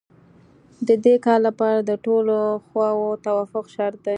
د دې کار لپاره د ټولو خواوو توافق شرط دی